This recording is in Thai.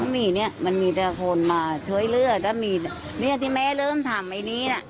มีเนี้ยมันมีได้คนมาช้อยเลือดถ้ามีนี่ที่แม่เริ่มทำเอนนี้น่ะ